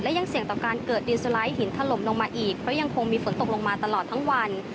ยังเสี่ยงต่อการเกิดดินสไลด์หินถล่มลงมาอีกเพราะยังคงมีฝนตกลงมาตลอดทั้งวัน